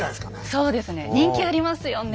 そうですね人気ありますよね